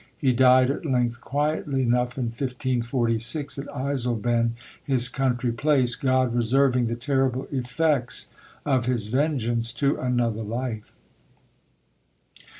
He died at length quietly enough, in 1546, at Eisleben, his country place God reserving the terrible effects of his vengeance to another life."